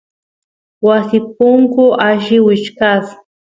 wasi punku alli wichkasq